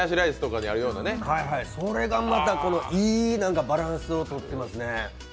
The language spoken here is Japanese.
それがまたいいバランスをとってますね。